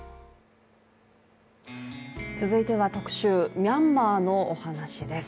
続いては、特集、ミャンマーのお話です。